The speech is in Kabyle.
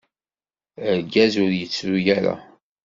Argaz ur yettru ara.